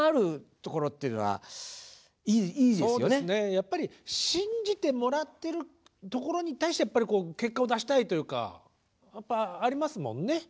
やっぱり信じてもらってるところに対して結果を出したいというかやっぱありますもんね。